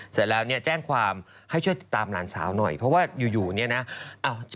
เสร็จแล้วเนี่ยแจ้งความให้ช่วยติดตามหลานสาวหน่อยเพราะว่าอยู่เนี่ยนะ